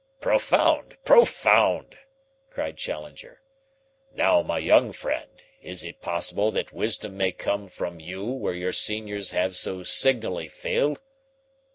"Profound! Profound!" cried Challenger. "Now, my young friend, is it possible that wisdom may come from you where your seniors have so signally failed?"